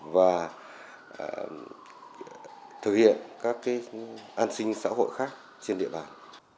và thực hiện các cái an sinh sản phẩm